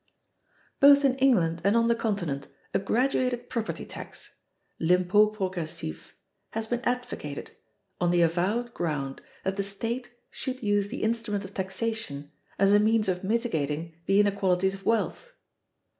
Both in England and on the Continent a graduated property tax (l'impôt progressif) has been advocated, on the avowed ground that the state should use the instrument of taxation as a means of mitigating the inequalities of wealth.